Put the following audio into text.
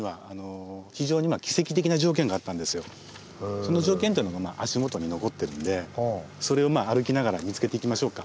その条件というのが足元に残ってるんでそれを歩きながら見つけていきましょうか。